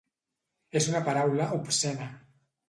És una paraula obscena.